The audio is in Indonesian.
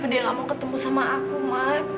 kenapa dia gak mau ketemu sama aku mak